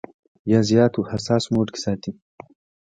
يا زيات حساس موډ کښې ساتي -